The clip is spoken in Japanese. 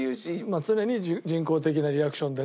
常に人工的なリアクションでね